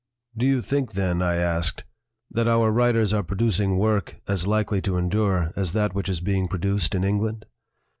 "Do you think, then," I asked, "that our writers are producing work as likely to endure as that which is being produced in England?"